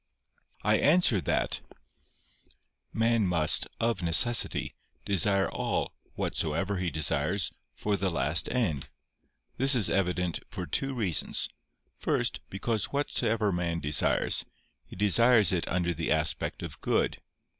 I answer that, Man must, of necessity, desire all, whatsoever he desires, for the last end. This is evident for two reasons. First, because whatever man desires, he desires it under the aspect of good.